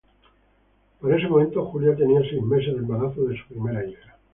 Para ese momento, Julia tenía seis meses de embarazo de su primera hija.